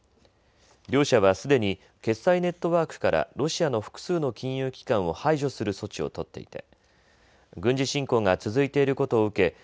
両社はすでに決済ネットワークからロシアの複数の金融機関を排除する措置を取っていて軍事侵攻が続いていることを受け